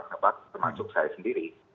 dan itu memang sangat termasuk saya sendiri